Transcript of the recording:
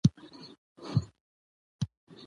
افغانستان د خپلو بادامو د ساتنې لپاره قوانین لري.